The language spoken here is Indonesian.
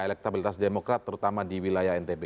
elektabilitas demokrat terutama di wilayah ntb